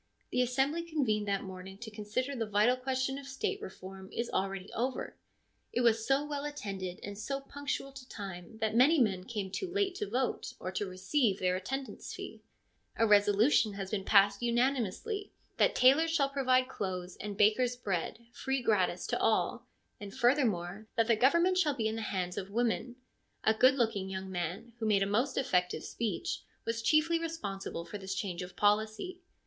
The assembly convened that morning to consider the vital question of State reform is already over ; it was so well attended and so punctual to time that many men came too late to vote or to receive their attendance fee. A resolution has been passed unanimously that tailors shall provide clothes and bakers bread, free gratis to all ; and, further more, that the government shall be in the hands of women. A good looking young man, who made a most effective speech, was chiefly responsible for this change of policy.